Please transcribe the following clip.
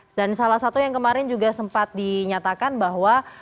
dan salah satu yang kemarin juga sempat dinyatakan bahwa